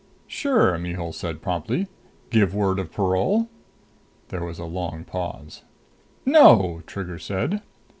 "Sure," Mihul said promptly. "Give word of parole?" There was a long pause. "No!" Trigger said.